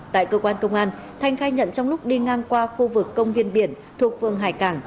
tại cơ quan công an thanh khai nhận trong lúc đi ngang qua khu vực công viên biển thuộc phường hải cảng